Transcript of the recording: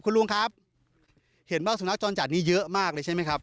คุณลุงครับเห็นว่าสุนัขจรจัดนี้เยอะมากเลยใช่ไหมครับ